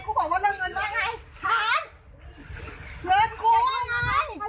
พูดแล้วไง